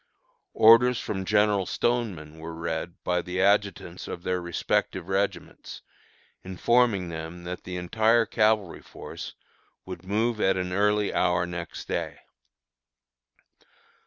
Orders from General Stoneman were read by the adjutants of their respective regiments, informing them that the entire cavalry force would move at an early hour next day.